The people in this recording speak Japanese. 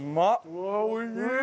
うわーおいしい！